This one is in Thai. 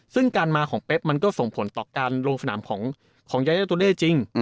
ซึ่งการมาของเป๊บทัพส่งผลกับลงสนามของยาแยกตัวแล้วจริง